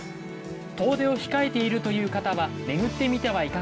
遠出を控えているという方は巡ってみてはいかがでしょうか？